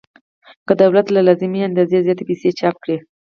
که دولت له لازمې اندازې زیاتې پیسې چاپ کړي